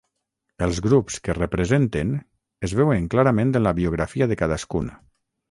Els grups que representen es veuen clarament en la biografia de cadascun.